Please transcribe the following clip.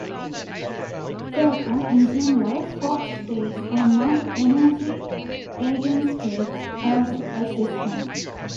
Therefore, in general, Fock states are not energy eigenstates of a system.